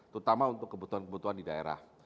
terutama untuk kebutuhan kebutuhan di daerah